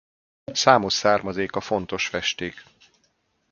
Számos származéka fontos festék.